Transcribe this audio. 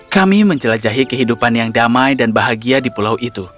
kami menjelajahi kehidupan yang damai dan bahagia di pulau itu